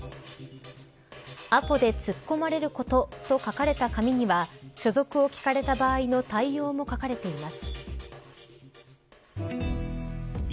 アポで突っ込まれることと書かれた紙には所属を聞かれた場合の対応も書かれています。